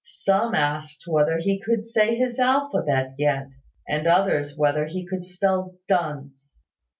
Some asked whether he could say his alphabet yet; and others whether he could spell "dunce."